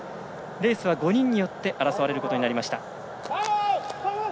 レースは５人によって争われることになりました。